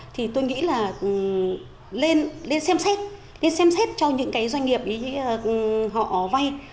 thì tôi nghĩ là xem xét nên xem xét cho những cái doanh nghiệp họ vay